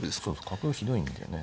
角がひどいんだよね。